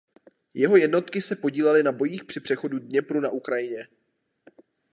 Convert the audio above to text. Jeho jednotky se podílely na bojích při přechodu Dněpru na Ukrajině.